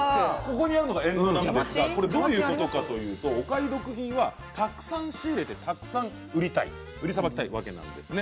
どういうことかというとお買い得品は、たくさん仕入れてたくさん売りさばきたいわけなんですね。